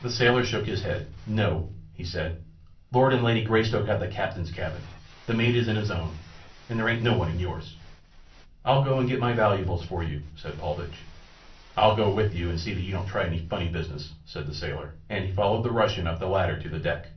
The sailor shook his head. "No," he said; "Lord and Lady Greystoke have the captain's cabin. The mate is in his own, and there ain't no one in yours." "I'll go and get my valuables for you," said Paulvitch. "I'll go with you to see that you don't try any funny business," said the sailor, and he followed the Russian up the ladder to the deck.